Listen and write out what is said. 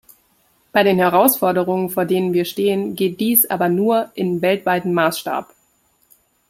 Bei den Herausforderungen, vor denen wir stehen, geht dies aber nur in weltweitem Maßstab.